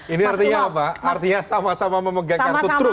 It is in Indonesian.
ini artinya apa artinya sama sama memegang kartu truk